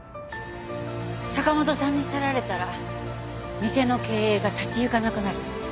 坂元さんに去られたら店の経営が立ち行かなくなる。